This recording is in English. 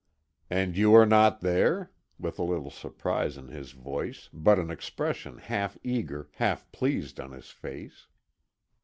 "And you are not there?" with a little surprise in his voice, but an expression half eager, half pleased on his face.